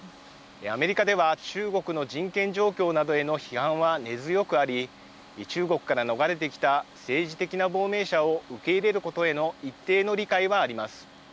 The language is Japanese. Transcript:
アメリカでは中国の人権状況などへの批判は根強くあり、中国から逃れてきた政治的な亡命者を受け入れることへの一定の理解はあります。